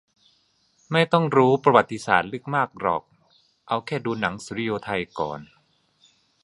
ไม่ต้องรู้ประวัติศาสตร์ลึกมากหรอกเอาแค่ดูหนังสุริโยไทก่อน